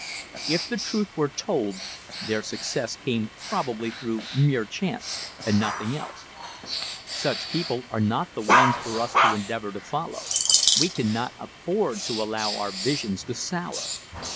If the truth were told their success came probably through mere chance and nothing else. Such people are not the ones for us to endeavor to follow. _We cannot afford to allow our visions to sour.